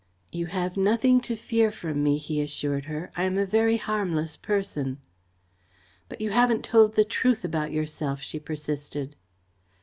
"You have nothing to fear from me," he assured her. "I am a very harmless person." "But you haven't told the truth about yourself," she persisted.